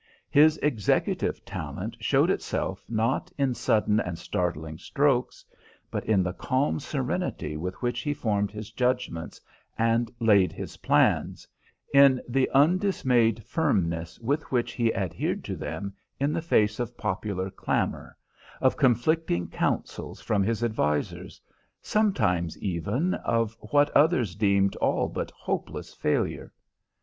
His executive talent showed itself not in sudden and startling strokes, but in the calm serenity with which he formed his judgments and laid his plans, in the undismayed firmness with which he adhered to them in the face of popular clamour, of conflicting counsels from his advisers, sometimes, even, of what others deemed all but hopeless failure.